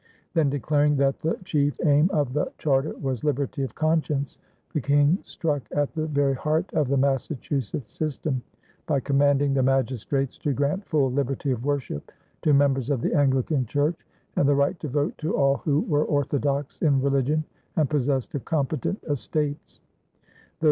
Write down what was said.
Then declaring that the chief aim of the charter was liberty of conscience, the King struck at the very heart of the Massachusetts system, by commanding the magistrates to grant full liberty of worship to members of the Anglican Church and the right to vote to all who were "orthodox" in religion and possessed of "competent estates."